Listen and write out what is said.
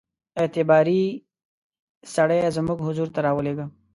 اعتباري سړی زموږ حضور ته را ولېږه.